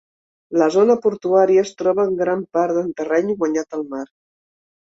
La zona portuària es troba en gran part en terreny guanyat al mar.